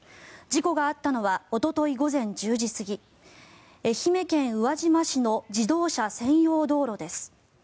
事故があったのはおととい午前１０時過ぎ愛媛県宇和島市の自動車専用道路です。